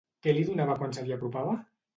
Què li donava quan se li apropava?